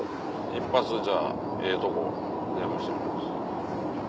一発じゃあええとこ電話してみます。